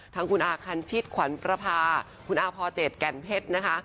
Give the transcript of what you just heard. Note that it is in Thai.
ทั้งคุณอาคันชิตขวัญประพาคุณอาพอเจดแก่นเพชรนะคะ